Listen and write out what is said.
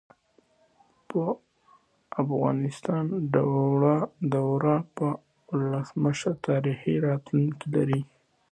افغانستان د واوره په اړه مشهور تاریخی روایتونه لري.